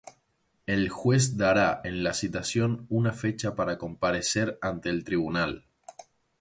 El juez dará en la citación una fecha para comparecer ante el tribunal.